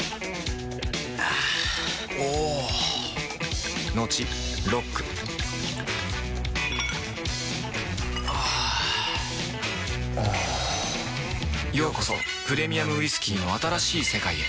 あぁおぉトクトクあぁおぉようこそプレミアムウイスキーの新しい世界へ